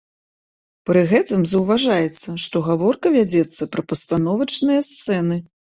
Пры гэтым заўважаецца, што гаворка вядзецца пра пастановачныя сцэны.